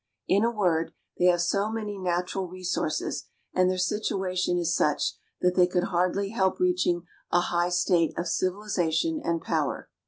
In a word, they have so many natural re sources, and their situation is such, that they could hardly help reaching a high state of civilization and power.